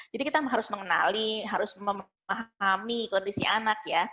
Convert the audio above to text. jadi kita harus mengenali harus memahami kondisi anak